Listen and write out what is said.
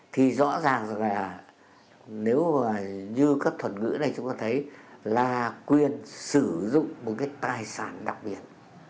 thì rõ ràng rằng là nếu mà như các thuật ngữ này chúng ta thấy là quyền sử dụng một cái tài sản đặc biệt